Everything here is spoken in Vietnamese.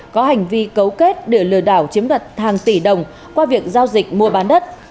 có hành vi cấu kết để lừa đảo chiếm đoạt hàng tỷ đồng qua việc giao dịch mua bán đất